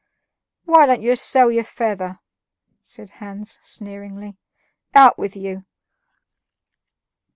"Why don't you sell your feather?" said Hans sneeringly. "Out with you!"